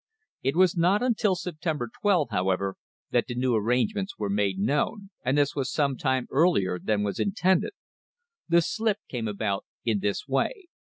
It was not until September 12, however, that the new arrangements were made known, and this was some time earlier than was intended. The slip came about in this way.